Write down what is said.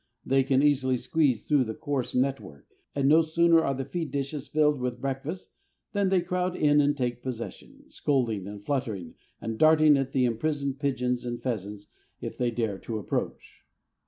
They can easily squeeze through the coarse net work, and no sooner are the feed dishes filled with breakfast than they crowd in and take possession, scolding and fluttering and darting at the imprisoned pigeons and pheasants if they dare to approach.